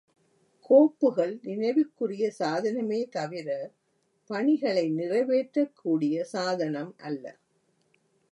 கோப்புகள் நினைவுக்குரிய சாதனமே தவிர, பணிகளை நிறைவேற்றக்கூடிய சாதனமல்ல.